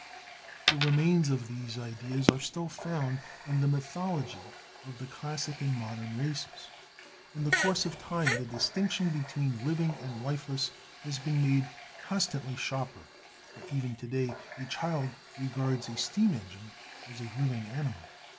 The remains of these ideas are still found in the mythology of the classic and modern races. In the course of time the distinction be tween living and lifeless has been made constantly sharper, but even to day a child regards a steam engine as a living animal.